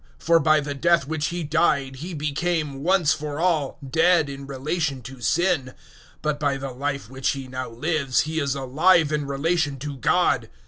For by the death which He died He became, once for all, dead in relation to sin; but by the life which He now lives He is alive in relation to God.